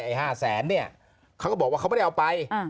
ไอ้๕๐๐๐๐๐เนี่ยเขาก็บอกว่าเขาไม่ได้เอาไป